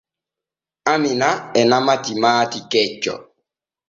Amina e nama timaati kecco.